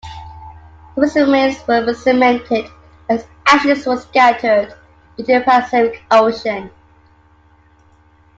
His remains were cremated and his ashes were scattered into the Pacific Ocean.